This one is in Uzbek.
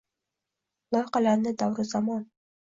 Loyqalandi davru zamon.